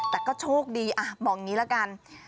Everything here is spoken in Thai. แต่ก็โชคดีบอกอย่างนี้ละกัน